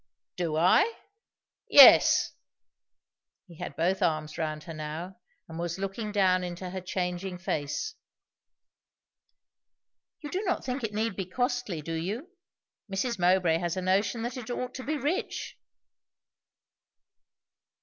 "Do I? Yes." He had both arms round her now, and was looking down into her changing face. "You do not think it need be costly, do you? Mrs. Mowbray has a notion that it ought to be rich."